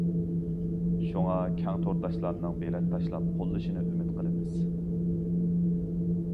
شۇڭا كەڭ تورداشلارنىڭ بېلەت تاشلاپ قوللىشىنى ئۈمىد قىلىمىز.